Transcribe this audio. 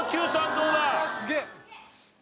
どうだ？